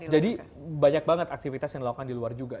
jadi banyak banget aktivitas yang dilakukan di luar juga